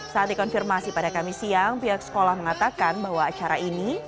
saat dikonfirmasi pada kami siang pihak sekolah mengatakan bahwa acara ini